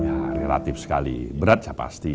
ya relatif sekali beratnya pasti